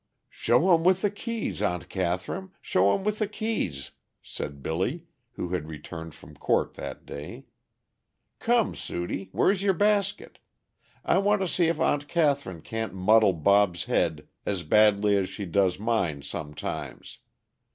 "Show him with the keys, Aunt Catherine, show him with the keys," said Billy, who had returned from court that day. "Come, Sudie, where's your basket? I want to see if Aunt Catherine can't muddle Bob's head as badly as she does mine sometimes.